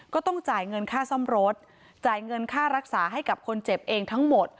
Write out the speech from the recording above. ก็ต้องจ่ายเงินค่าซ่อมรถจ่ายเงินค่ารักษาให้กับคนเจ็บเองทั้งหมด